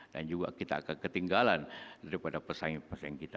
dan juga kita akan ketinggalan daripada pesaing pesaing kita